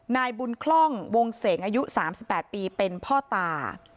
นายบุญคล่องวงเสงอายุ๓๘ปีเป็นพ่อตา